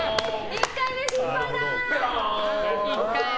１回目、失敗だ！